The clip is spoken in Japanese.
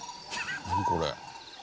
何これ？